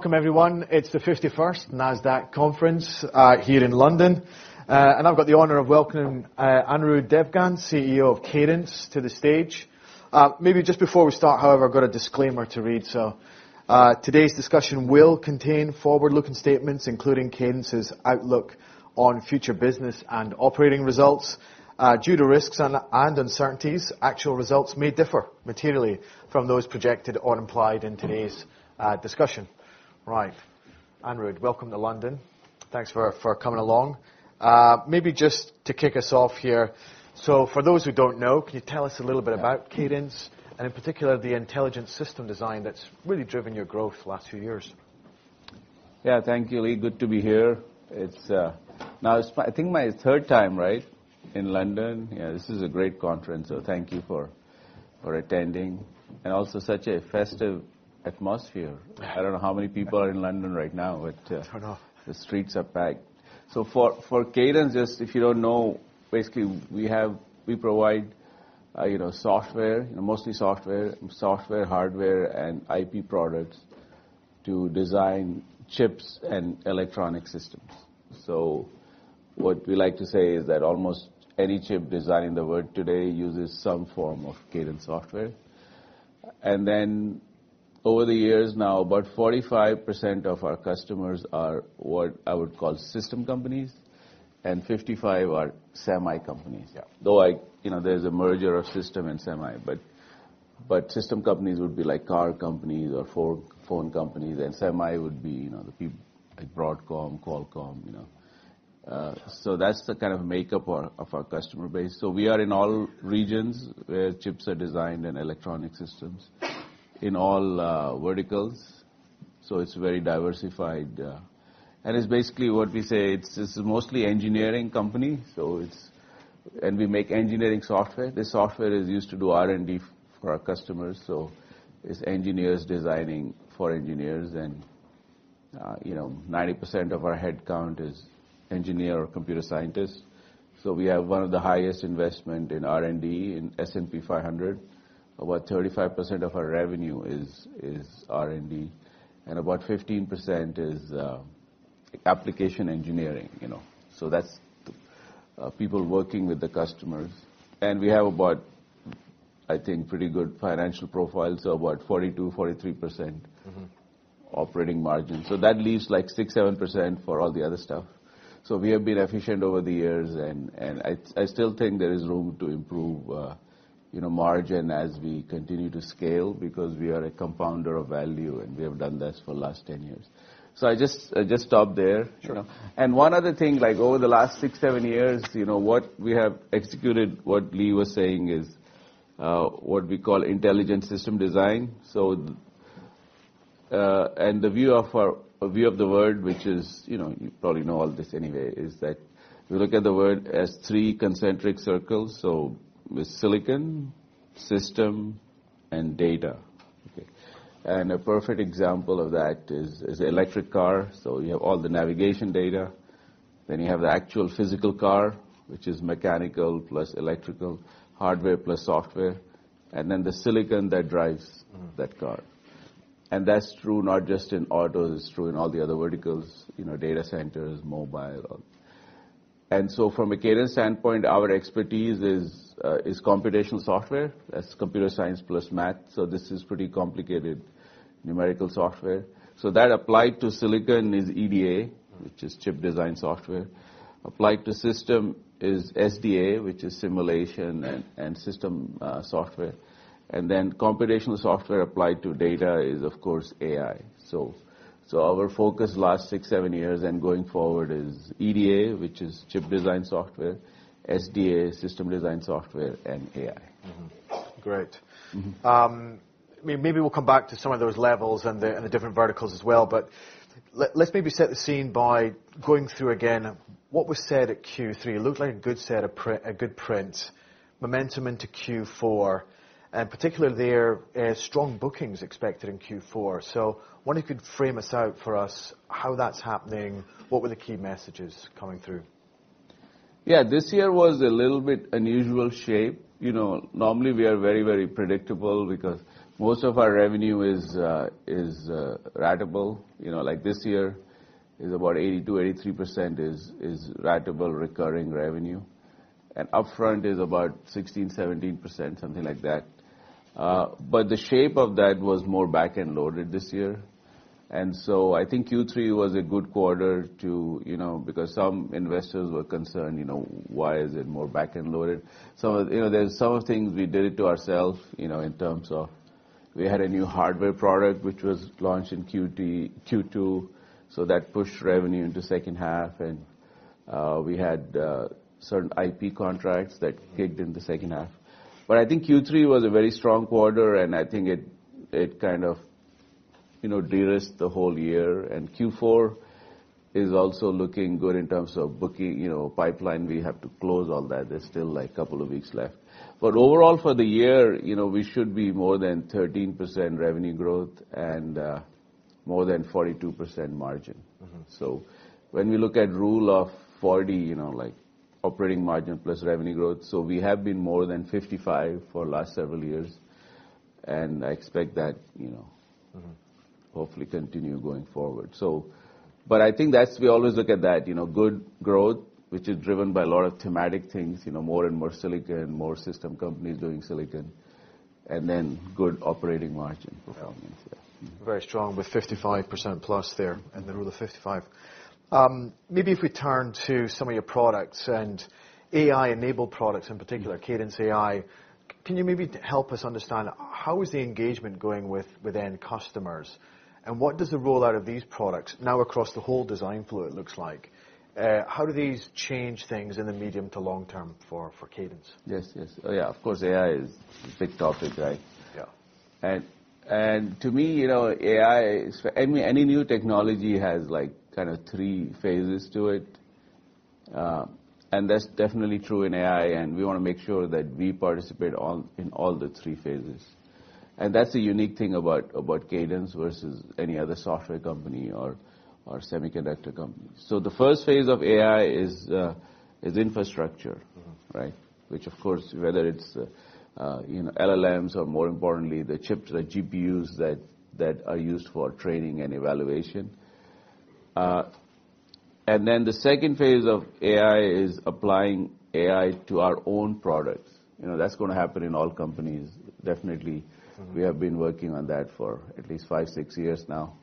Welcome, everyone. It's the 51st Nasdaq Conference here in London. And I've got the honor of welcoming Anirudh Devgan, CEO of Cadence, to the stage. Maybe just before we start, however, I've got a disclaimer to read. Today's discussion will contain forward-looking statements, including Cadence's outlook on future business and operating results. Due to risks and uncertainties, actual results may differ materially from those projected or implied in today's discussion. Right. Anirudh, welcome to London. Thanks for coming along. Maybe just to kick us off here, for those who don't know, can you tell us a little bit about Cadence, and in particular the intelligent system design that's really driven your growth the last few years? Yeah, thank you, Lee. Good to be here. Now, I think my third time, right, in London. This is a great conference, so thank you for attending. And also, such a festive atmosphere. I don't know how many people are in London right now, but the streets are packed. So for Cadence, just if you don't know, basically, we provide software, mostly software, hardware, and IP products to design chips and electronic systems. So what we like to say is that almost any chip design in the world today uses some form of Cadence software. And then over the years now, about 45% of our customers are what I would call system companies, and 55% are semi companies. Though there's a merger of system and semi. But system companies would be like car companies or phone companies, and semi would be Broadcom, Qualcomm. That's the kind of makeup of our customer base. We are in all regions where chips are designed and electronic systems, in all verticals. It's very diversified. It's basically what we say, it's mostly an engineering company. We make engineering software. The software is used to do R&D for our customers. It's engineers designing for engineers. 90% of our headcount is engineer or computer scientists. We have one of the highest investments in R&D in S&P 500. About 35% of our revenue is R&D, and about 15% is application engineering. That's people working with the customers. We have about, I think, pretty good financial profiles, so about 42%-43% operating margin. That leaves like 6%-7% for all the other stuff. So we have been efficient over the years, and I still think there is room to improve margin as we continue to scale because we are a compounder of value, and we have done this for the last 10 years. So I just stop there. And one other thing, over the last six, seven years, what we have executed, what Lee was saying, is what we call Intelligent System Design. And the view of the world, which you probably know all this anyway, is that we look at the world as three concentric circles. So there's Silicon, System, and Data. And a perfect example of that is an electric car. So you have all the navigation data. Then you have the actual physical car, which is mechanical plus electrical, hardware plus software. And then the silicon that drives that car. And that's true not just in auto, it's true in all the other verticals, data centers, mobile. And so from a Cadence standpoint, our expertise is computational software. That's computer science plus math. So this is pretty complicated numerical software. So that applied to silicon is EDA, which is chip design software. Applied to system is SDA, which is simulation and system software. And then computational software applied to data is, of course, AI. So our focus the last six, seven years and going forward is EDA, which is chip design software, SDA, system design software, and AI. Great. Maybe we'll come back to some of those levels and the different verticals as well. But let's maybe set the scene by going through again what was said at Q3. It looked like a good set of good print, momentum into Q4. And particularly there, strong bookings expected in Q4. So I wonder if you could frame us out for us how that's happening, what were the key messages coming through? Yeah, this year was a little bit unusual shape. Normally, we are very, very predictable because most of our revenue is ratable. Like this year, it's about 82%-83% is ratable recurring revenue, and upfront is about 16%-17%, something like that, but the shape of that was more back-end loaded this year, and so I think Q3 was a good quarter because some investors were concerned, why is it more back-end loaded? There's some of the things we did it to ourselves in terms of we had a new hardware product, which was launched in Q2, so that pushed revenue into the second half, and we had certain IP contracts that kicked in the second half, but I think Q3 was a very strong quarter, and I think it kind of de-risked the whole year, and Q4 is also looking good in terms of booking pipeline. We have to close all that. There's still a couple of weeks left. But overall, for the year, we should be more than 13% revenue growth and more than 42% margin. So when we look at Rule of 40, like operating margin plus revenue growth, so we have been more than 55 for the last several years. And I expect that hopefully continue going forward. But I think we always look at that. Good growth, which is driven by a lot of thematic things, more and more silicon, more system companies doing silicon, and then good operating margin performance. Very strong with 55% plus there and then another 55%. Maybe if we turn to some of your products and AI-enabled products, in particular Cadence AI, can you maybe help us understand how is the engagement going within customers? And what does the rollout of these products, now across the whole design flow, it looks like? How do these change things in the medium to long term for Cadence? Yes, yes. Yeah, of course, AI is a big topic, right? And to me, AI, any new technology has kind of three phases to it. And that's definitely true in AI. And we want to make sure that we participate in all the three phases. And that's the unique thing about Cadence versus any other software company or semiconductor company. So the first phase of AI is infrastructure, which, of course, whether it's LLMs or more importantly, the chips, the GPUs that are used for training and evaluation. And then the second phase of AI is applying AI to our own products. That's going to happen in all companies, definitely. We have been working on that for at least five, six years now.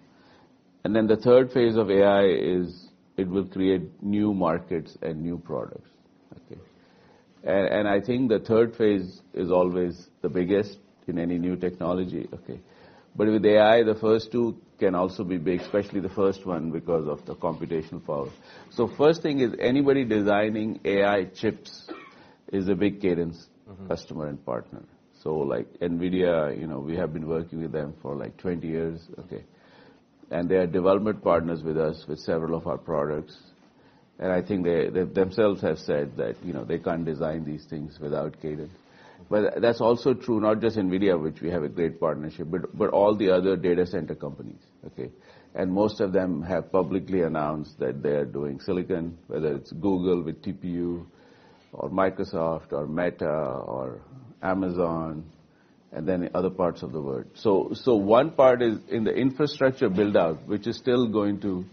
And then the third phase of AI is it will create new markets and new products. And I think the third phase is always the biggest in any new technology. But with AI, the first two can also be big, especially the first one because of the computational power. So first thing is anybody designing AI chips is a big Cadence customer and partner. So like NVIDIA, we have been working with them for like 20 years. And they are development partners with us with several of our products. And I think they themselves have said that they can't design these things without Cadence. But that's also true, not just NVIDIA, which we have a great partnership, but all the other data center companies. And most of them have publicly announced that they are doing silicon, whether it's Google with TPU or Microsoft or Meta or Amazon, and then other parts of the world. So one part is in the infrastructure build-out, which is still going to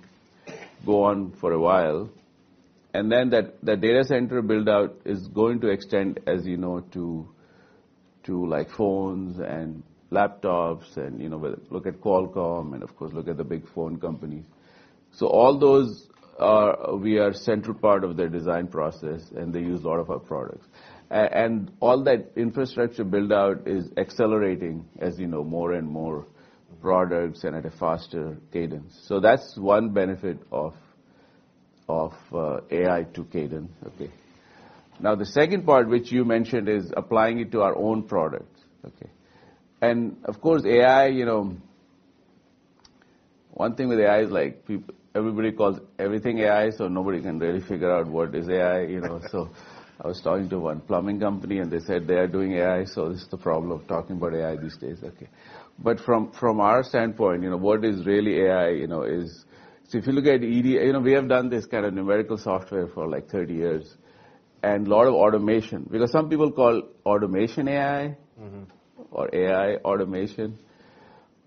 go on for a while. And then the data center build-out is going to extend, as you know, to phones and laptops. And look at Qualcomm, and of course, look at the big phone companies. So all those, we are a central part of their design process, and they use a lot of our products. And all that infrastructure build-out is accelerating as more and more products and at a faster cadence. So that's one benefit of AI to Cadence. Now, the second part, which you mentioned, is applying it to our own products. And of course, AI, one thing with AI is like everybody calls everything AI, so nobody can really figure out what is AI. So I was talking to one plumbing company, and they said they are doing AI, so this is the problem of talking about AI these days. But from our standpoint, what is really AI is if you look at EDA, we have done this kind of numerical software for like 30 years and a lot of automation. Because some people call automation AI or AI automation.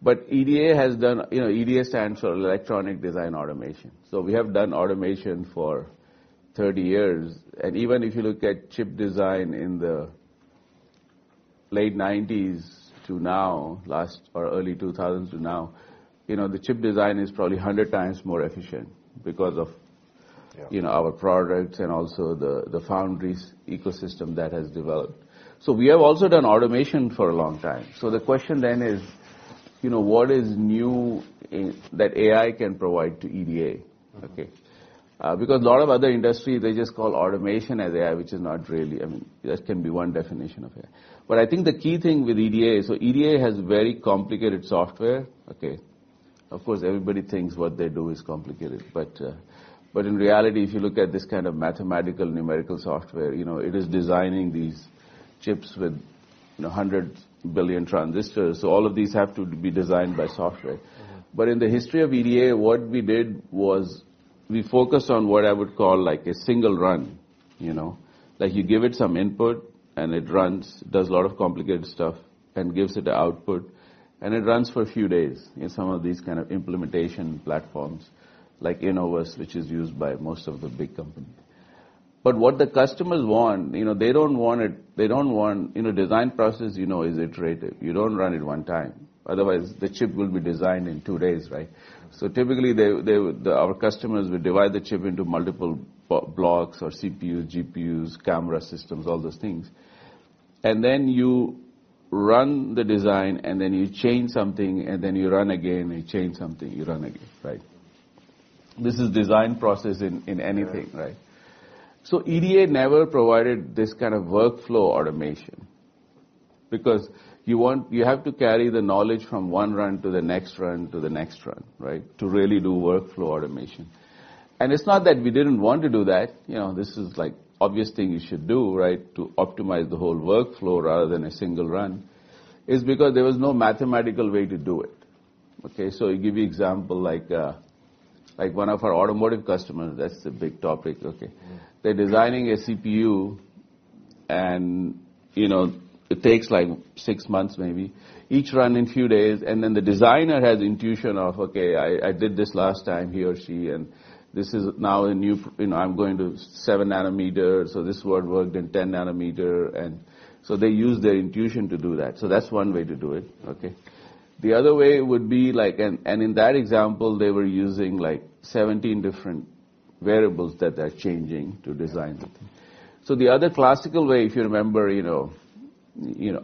But EDA stands for Electronic Design Automation. So we have done automation for 30 years. And even if you look at chip design in the late 1990s to now, last or early 2000s to now, the chip design is probably 100 times more efficient because of our products and also the foundry ecosystem that has developed. So we have also done automation for a long time. So the question then is, what is new that AI can provide to EDA? Because a lot of other industries, they just call automation as AI, which is not really, I mean, that can be one definition of AI. But I think the key thing with EDA, so EDA has very complicated software. Of course, everybody thinks what they do is complicated. But in reality, if you look at this kind of mathematical numerical software, it is designing these chips with 100 billion transistors. So all of these have to be designed by software. But in the history of EDA, what we did was we focused on what I would call like a single run. Like you give it some input, and it runs, does a lot of complicated stuff, and gives it an output. And it runs for a few days in some of these kind of implementation platforms, like Innovus, which is used by most of the big companies. But what the customers want, they don't want it. They don't want a design process is iterative. You don't run it one time. Otherwise, the chip will be designed in two days, right? So typically, our customers would divide the chip into multiple blocks or CPUs, GPUs, camera systems, all those things. And then you run the design, and then you change something, and then you run again, and you change something, you run again, right? This is the design process in anything, right? So EDA never provided this kind of workflow automation. Because you have to carry the knowledge from one run to the next run to the next run to really do workflow automation. And it's not that we didn't want to do that. This is like an obvious thing you should do to optimize the whole workflow rather than a single run. It's because there was no mathematical way to do it, so to give you an example, like one of our automotive customers, that's a big topic. They're designing a CPU, and it takes like six months maybe, each run in a few days. And then the designer has intuition of, okay, I did this last time, he or she, and this is now a new I'm going to seven nanometers, so this word worked in 10 nanometers, and so they use their intuition to do that, so that's one way to do it. The other way would be, and in that example, they were using like 17 different variables that they're changing to design, so the other classical way, if you remember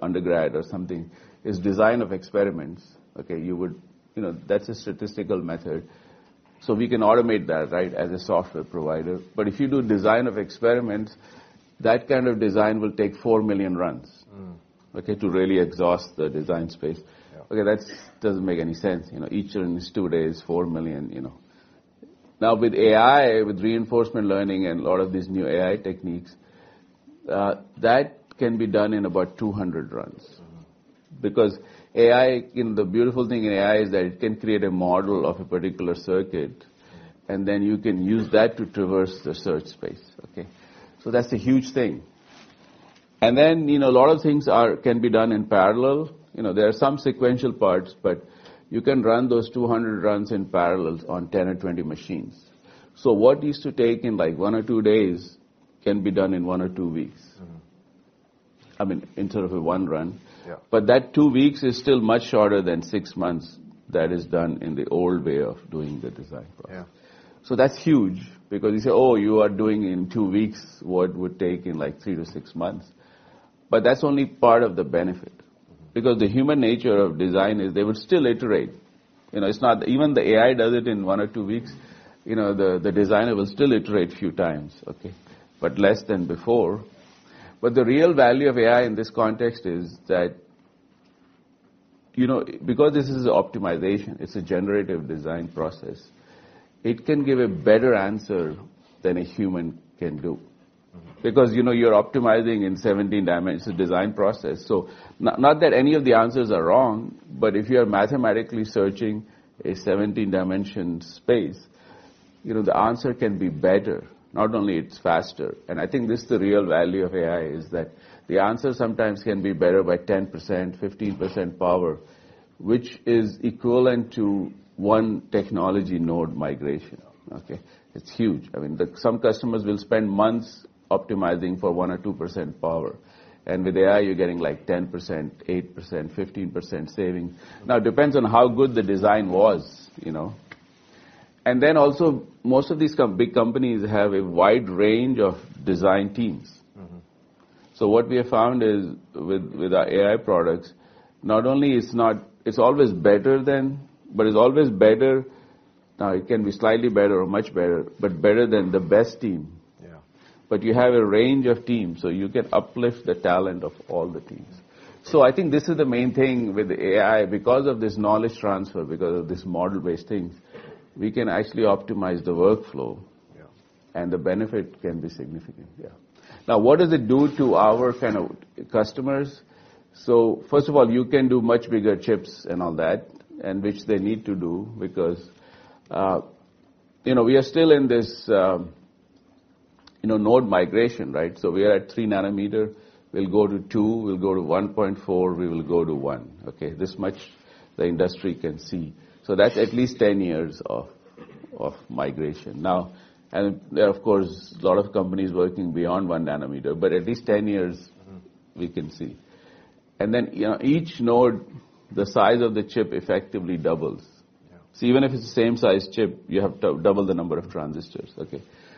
undergrad or something, is design of experiments. That's a statistical method, so we can automate that as a software provider. But if you do design of experiments, that kind of design will take 4 million runs to really exhaust the design space. That doesn't make any sense. Each run is two days, 4 million. Now with AI, with reinforcement learning and a lot of these new AI techniques, that can be done in about 200 runs. Because the beautiful thing in AI is that it can create a model of a particular circuit, and then you can use that to traverse the search space. So that's a huge thing. And then a lot of things can be done in parallel. There are some sequential parts, but you can run those 200 runs in parallel on 10 or 20 machines. So what used to take in like one or two days can be done in one or two weeks, I mean, instead of a one run. But that two weeks is still much shorter than six months that is done in the old way of doing the design process. So that's huge because you say, oh, you are doing in two weeks what would take in like three to six months. But that's only part of the benefit. Because the human nature of design is they will still iterate. Even the AI does it in one or two weeks, the designer will still iterate a few times, but less than before. But the real value of AI in this context is that because this is optimization, it's a generative design process, it can give a better answer than a human can do. Because you're optimizing in 17-dimensional design process. So not that any of the answers are wrong, but if you are mathematically searching a 17-dimensional space, the answer can be better. Not only it's faster. And I think this is the real value of AI is that the answer sometimes can be better by 10%, 15% power, which is equivalent to one technology node migration. It's huge. I mean, some customers will spend months optimizing for 1% or 2% power. And with AI, you're getting like 10%, 8%, 15% savings. Now, it depends on how good the design was. And then also, most of these big companies have a wide range of design teams. So what we have found is with our AI products, not only it's always better than, but it's always better. Now, it can be slightly better or much better, but better than the best team. But you have a range of teams, so you can uplift the talent of all the teams. So I think this is the main thing with AI. Because of this knowledge transfer, because of this model-based thing, we can actually optimize the workflow, and the benefit can be significant. Now, what does it do to our kind of customers? So first of all, you can do much bigger chips and all that, which they need to do because we are still in this node migration, right? So we are at 3 nm. We'll go to 2. We'll go to 1.4. We will go to 1. This much the industry can see. So that's at least 10 years of migration. Now, of course, a lot of companies working beyond 1 nm, but at least 10 years we can see. And then each node, the size of the chip effectively doubles. So even if it's the same size chip, you have to double the number of transistors.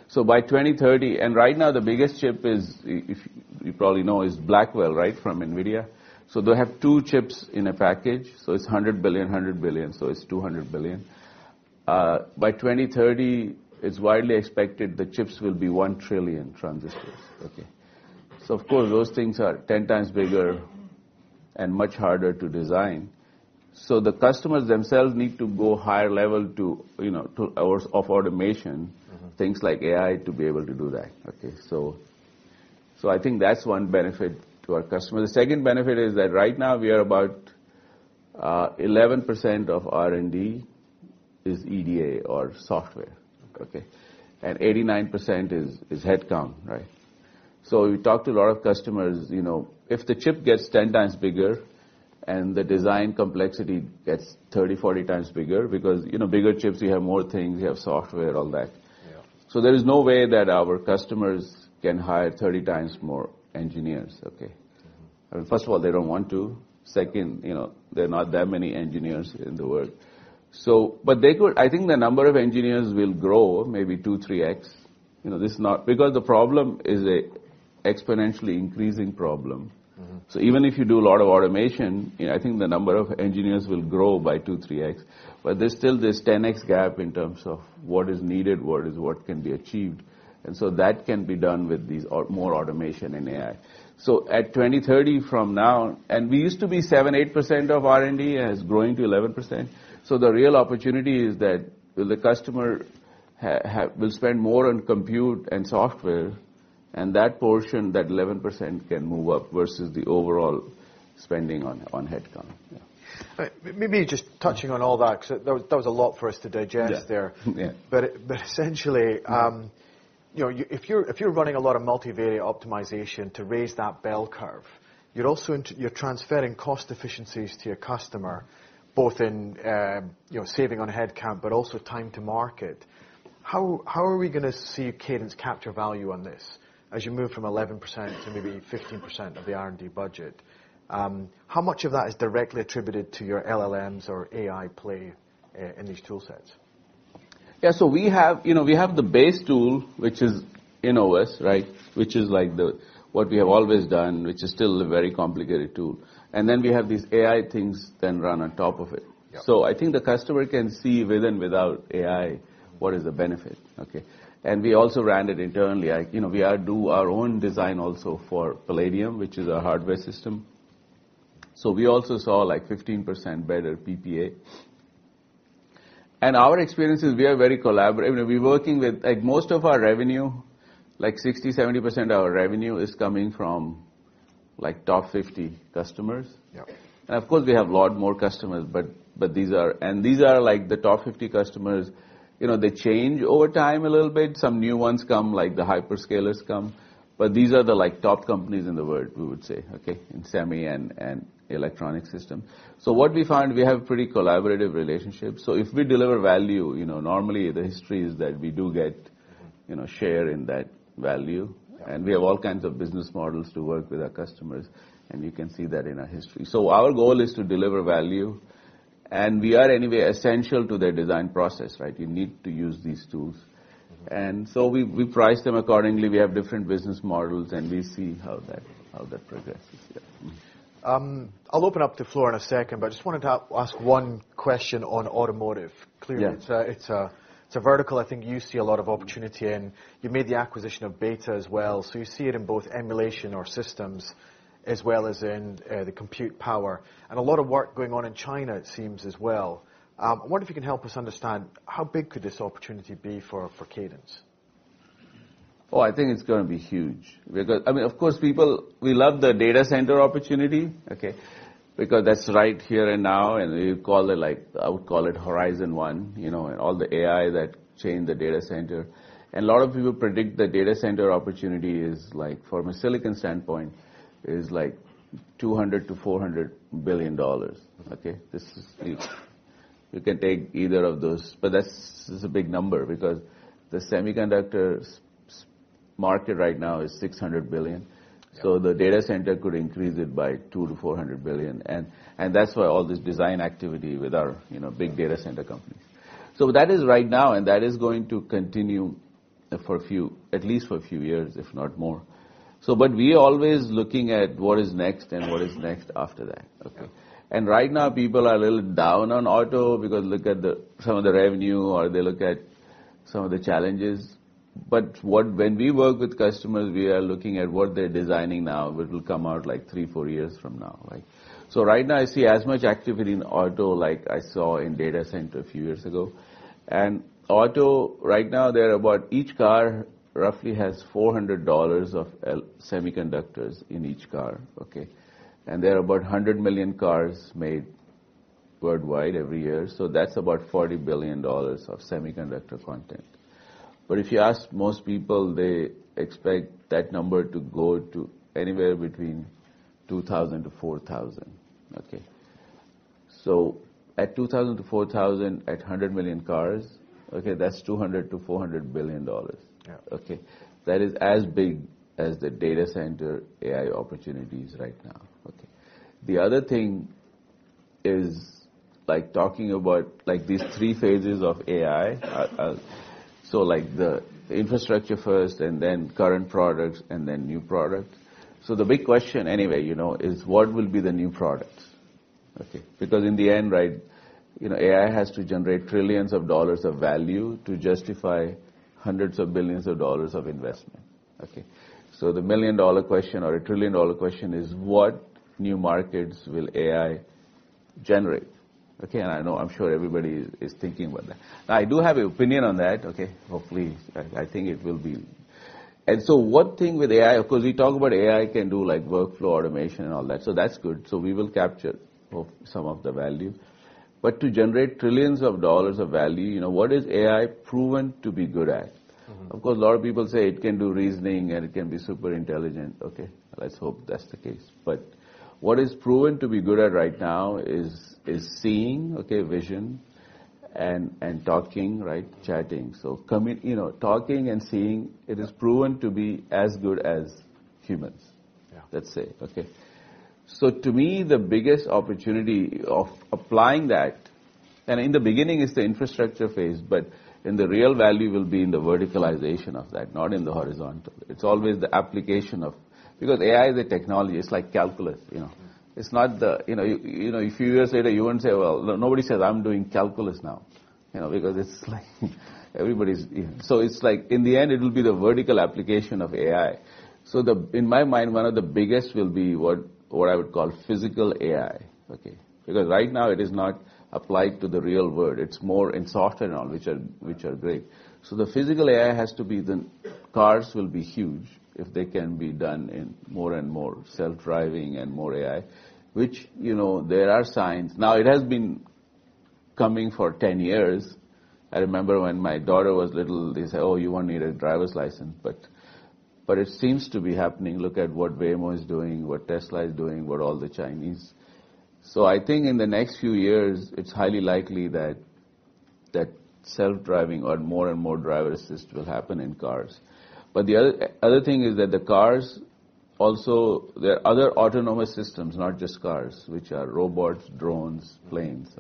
So by 2030, and right now the biggest chip, you probably know, is Blackwell, right, from NVIDIA. So they have two chips in a package. So it's 100 billion, 100 billion. So it's 200 billion. By 2030, it's widely expected the chips will be 1 trillion transistors. So of course, those things are 10 times bigger and much harder to design. So the customers themselves need to go higher level of automation, things like AI, to be able to do that. So I think that's one benefit to our customers. The second benefit is that right now we are about 11% of R&D is EDA or software. And 89% is headcount. So we talked to a lot of customers. If the chip gets 10 times bigger and the design complexity gets 30, 40 times bigger, because bigger chips, you have more things, you have software, all that. There is no way that our customers can hire 30 times more engineers. First of all, they don't want to. Second, there are not that many engineers in the world. But I think the number of engineers will grow maybe 2-3x. Because the problem is an exponentially increasing problem. So even if you do a lot of automation, I think the number of engineers will grow by 2-3x. But there's still this 10x gap in terms of what is needed, what can be achieved. And so that can be done with more automation in AI. So at 2030 from now, and we used to be 7%-8% of R&D has grown to 11%. So the real opportunity is that the customer will spend more on compute and software, and that portion, that 11% can move up versus the overall spending on headcount. Maybe just touching on all that, because that was a lot for us to digest there. But essentially, if you're running a lot of multivariate optimization to raise that bell curve, you're transferring cost efficiencies to your customer, both in saving on headcount, but also time to market. How are we going to see Cadence capture value on this as you move from 11% to maybe 15% of the R&D budget? How much of that is directly attributed to your LLMs or AI play in these toolsets? Yeah. So we have the base tool, which is Innovus, which is what we have always done, which is still a very complicated tool. And then we have these AI things then run on top of it. So I think the customer can see with and without AI what is the benefit. And we also ran it internally. We do our own design also for Palladium, which is our hardware system, so we also saw like 15% better PPA, and our experience is we are very collaborative. We're working with most of our revenue, like 60%-70% of our revenue is coming from top 50 customers, and of course, we have a lot more customers, and these are like the top 50 customers. They change over time a little bit. Some new ones come, like the hyperscalers come, but these are the top companies in the world, we would say, in semi and electronic systems, so what we found, we have a pretty collaborative relationship, so if we deliver value, normally the history is that we do get share in that value, and we have all kinds of business models to work with our customers, and you can see that in our history. So our goal is to deliver value. And we are anyway essential to the design process. You need to use these tools. And so we price them accordingly. We have different business models, and we see how that progresses. I'll open up the floor in a second, but I just wanted to ask one question on automotive. Clearly, it's a vertical I think you see a lot of opportunity in. You made the acquisition of BETA as well. So you see it in both emulation or systems as well as in the compute power. And a lot of work going on in China, it seems, as well. I wonder if you can help us understand how big could this opportunity be for Cadence? Oh, I think it's going to be huge. I mean, of course, we love the data center opportunity because that's right here and now. And we call it. I would call it Horizon One, all the AI that change the data center. A lot of people predict the data center opportunity is, from a silicon standpoint, like $200-$400 billion. You can take either of those. But that's a big number because the semiconductor market right now is $600 billion. So the data center could increase it by $200-$400 billion. And that's why all this design activity with our big data center companies. So that is right now, and that is going to continue at least for a few years, if not more. But we are always looking at what is next and what is next after that. And right now, people are a little down on auto because look at some of the revenue or they look at some of the challenges. But when we work with customers, we are looking at what they're designing now, which will come out like three, four years from now. So right now, I see as much activity in auto like I saw in data center a few years ago. And auto, right now, each car roughly has $400 of semiconductors in each car. And there are about 100 million cars made worldwide every year. So that's about $40 billion of semiconductor content. But if you ask most people, they expect that number to go to anywhere between $2,000 to $4,000. So at $2,000 to $4,000, at 100 million cars, that's $200-$400 billion dollars. That is as big as the data center AI opportunities right now. The other thing is talking about these three phases of AI. So the infrastructure first, and then current products, and then new products. So the big question anyway is what will be the new products? Because in the end, AI has to generate trillions of dollars of value to justify hundreds of billions of dollars of investment. So the million-dollar question or a trillion-dollar question is what new markets will AI generate? And I'm sure everybody is thinking about that. I do have an opinion on that. Hopefully, I think it will be. And so one thing with AI, of course, we talk about AI can do workflow automation and all that. So that's good. So we will capture some of the value. But to generate trillions of dollars of value, what is AI proven to be good at? Of course, a lot of people say it can do reasoning and it can be super intelligent. Let's hope that's the case. But what is proven to be good at right now is seeing, vision, and talking, chatting. So talking and seeing, it is proven to be as good as humans, let's say. So to me, the biggest opportunity of applying that, and in the beginning, it's the infrastructure phase, but the real value will be in the verticalization of that, not in the horizontal. It's always the application of because AI is a technology. It's like calculus. It's not that a few years later, you wouldn't say, well, nobody says, "I'm doing calculus now," because it's like everybody's. So it's like in the end, it will be the vertical application of AI. So in my mind, one of the biggest will be what I would call physical AI. Because right now, it is not applied to the real world. It's more in software now, which are great. So the physical AI has to be the cars will be huge if they can be done in more and more self-driving and more AI, which there are signs. Now, it has been coming for 10 years. I remember when my daughter was little, they said, "Oh, you won't need a driver's license." But it seems to be happening. Look at what Waymo is doing, what Tesla is doing, what all the Chinese. So I think in the next few years, it's highly likely that self-driving or more and more driver assist will happen in cars. But the other thing is that the cars, also there are other autonomous systems, not just cars, which are robots, drones, planes.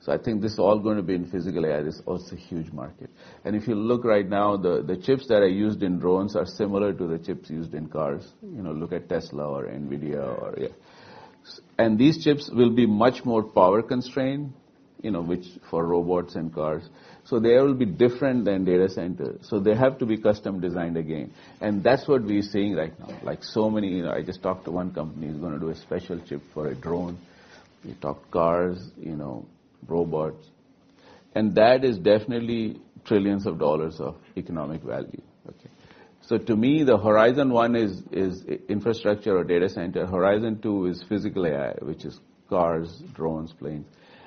So I think this is all going to be in physical AI. This is also a huge market. And if you look right now, the chips that are used in drones are similar to the chips used in cars. Look at Tesla or NVIDIA. And these chips will be much more power constrained, which for robots and cars. So they will be different than data centers. So they have to be custom designed again. And that's what we're seeing right now. Like so many, I just talked to one company who's going to do a special chip for a drone. We talked cars, robots. And that is definitely trillions of dollars of economic value. So to me, the Horizon One is infrastructure or data center. Horizon Two is physical AI, which is cars, drones, planes.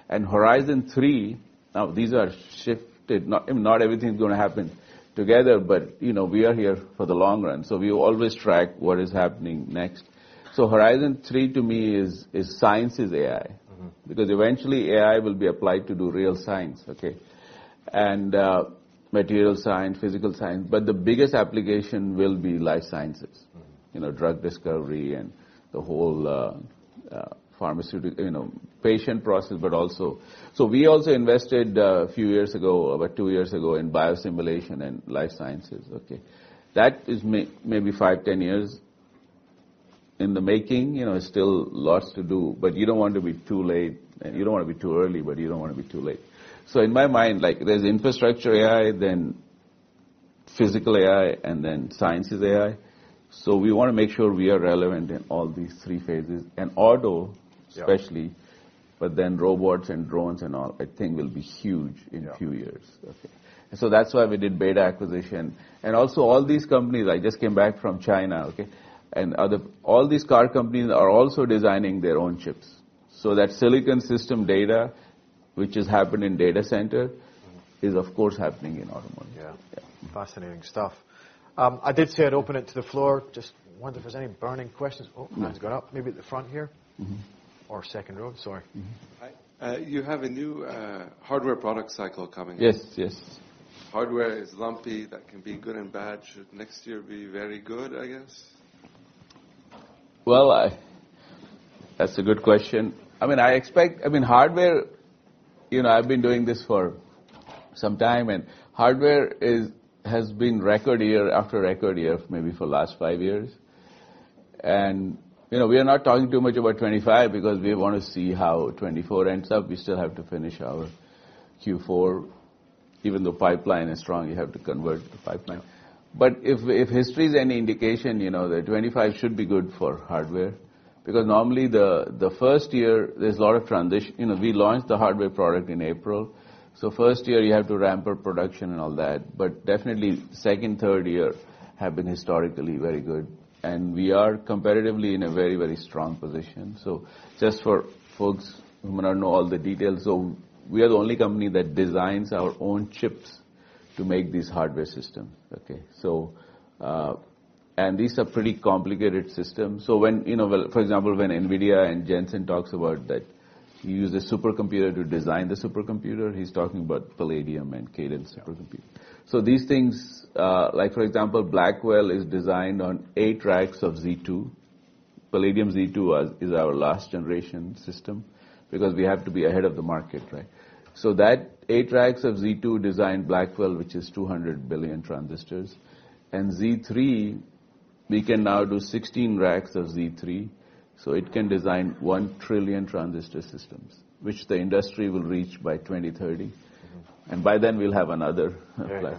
And Horizon Three, now these are shifted. Not everything is going to happen together, but we are here for the long run. So we always track what is happening next. Horizon Three, to me, is sciences AI because eventually AI will be applied to do real science. And material science, physical science. But the biggest application will be life sciences, drug discovery, and the whole pharmaceutical patent process, but also. So we also invested a few years ago, about two years ago, in biosimulation and life sciences. That is maybe five, 10 years in the making. It's still lots to do. But you don't want to be too late. You don't want to be too early, but you don't want to be too late. So in my mind, there's infrastructure AI, then physical AI, and then sciences AI. So we want to make sure we are relevant in all these three phases. And auto, especially, but then robots and drones and all, I think will be huge in a few years. So that's why we did the BETA acquisition. And also all these companies, I just came back from China. And all these car companies are also designing their own chips. So that silicon system data, which is happening in data center, is of course happening in automotive. Fascinating stuff. I did say I'd open it to the floor. Just wonder if there's any burning questions. Oh, mine's gone up. Maybe at the front here or second row. Sorry. You have a new hardware product cycle coming. Yes, yes. Hardware is lumpy. That can be good and bad. Should next year be very good, I guess? Well, that's a good question. I mean, I expect, I mean, hardware, I've been doing this for some time. And hardware has been record year after record year maybe for the last five years. We are not talking too much about 2025 because we want to see how 2024 ends up. We still have to finish our Q4. Even though pipeline is strong, you have to convert the pipeline. If history is any indication, 2025 should be good for hardware. Because normally the first year, there's a lot of transition. We launched the hardware product in April. First year, you have to ramp up production and all that. Definitely second, third year have been historically very good. We are comparatively in a very, very strong position. Just for folks who may not know all the details, so we are the only company that designs our own chips to make these hardware systems. These are pretty complicated systems. So for example, when NVIDIA and Jensen talks about that you use a supercomputer to design the supercomputer, he's talking about Palladium and Cadence supercomputers, so these things, like for example, Blackwell is designed on eight racks of Z2. Palladium Z2 is our last generation system because we have to be ahead of the market, so that eight racks of Z2 designed Blackwell, which is 200 billion transistors, and Z3, we can now do 16 racks of Z3, so it can design one trillion transistor systems, which the industry will reach by 2030, and by then, we'll have another play.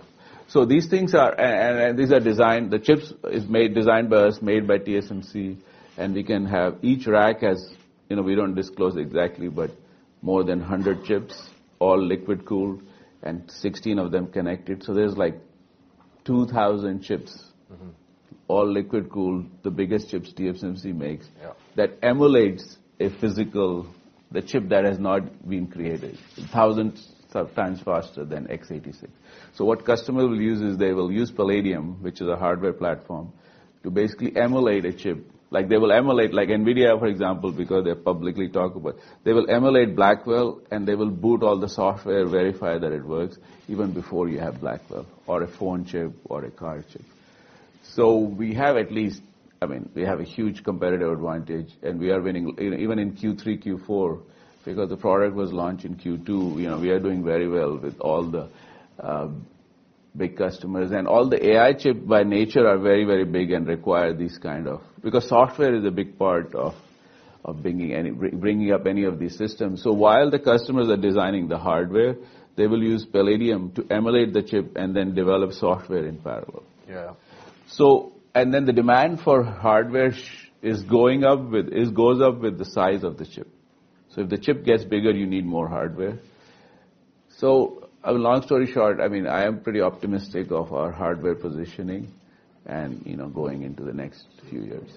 So these things are, and these are designed, the chips is designed by us, made by TSMC, and we can have each rack has, we don't disclose exactly, but more than 100 chips, all liquid cooled, and 16 of them connected. So, there's like 2,000 chips, all liquid cooled, the biggest chips TSMC makes that emulates a physical, the chip that has not been created, 1,000 times faster than x86. So what customers will use is they will use Palladium, which is a hardware platform, to basically emulate a chip. They will emulate like NVIDIA, for example, because they're publicly talked about. They will emulate Blackwell, and they will boot all the software, verify that it works, even before you have Blackwell or a phone chip or a car chip. So we have at least, I mean, we have a huge competitive advantage, and we are winning even in Q3, Q4 because the product was launched in Q2. We are doing very well with all the big customers. And all the AI chips by nature are very, very big and require these kind of because software is a big part of bringing up any of these systems. So while the customers are designing the hardware, they will use Palladium to emulate the chip and then develop software in parallel. And then the demand for hardware goes up with the size of the chip. So if the chip gets bigger, you need more hardware. So long story short, I mean, I am pretty optimistic of our hardware positioning and going into the next few years.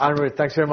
Anirudh, thanks so much.